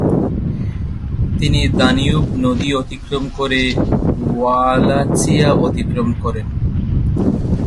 তিনি দানিউব নদী অতিক্রম করে ওয়ালাচিয়া আক্রমণ করেন।